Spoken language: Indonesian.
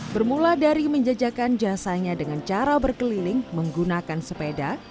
bermula dari menjajakan jasanya dengan cara berkeliling menggunakan sepeda